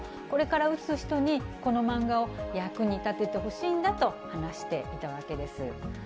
これから打つ人にこの漫画を役に立ててほしいんだと話していたわけです。